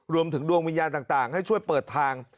ดวงวิญญาณต่างให้ช่วยเปิดทาง